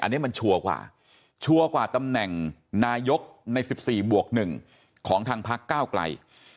อันนี้มันชัวร์กว่าชัวร์กว่าตำแหน่งนายกใน๑๔บวก๑ของทางพักก้าวไกล